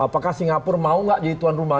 apakah singapura mau gak jadi tuan rumah